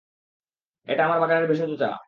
এটা আমার বাগানের ভেষজ চা।